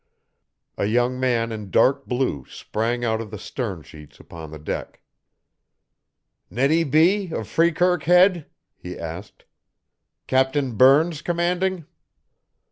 A young man in dark blue sprang out of the stern sheets upon the deck. "Nettie B. of Freekirk Head?" he asked. "Captain Burns commanding?"